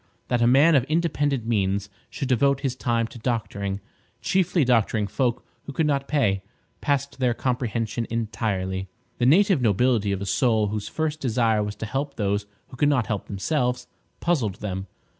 That a man of independent means should devote his time to doctoring, chiefly doctoring folk who could not pay, passed their comprehension entirely. The native nobility of a soul whose first desire was to help those who could not help themselves, puzzled them.